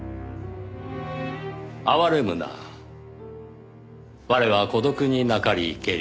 「哀れむな我は孤独になかりけり